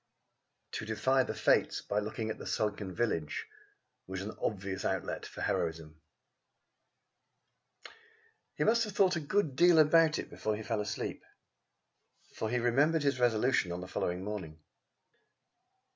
To defy the Fates by looking on the sunken village was an obvious outlet for heroism. He must have thought a good deal about it before he fell asleep, for he remembered his resolution on the following morning.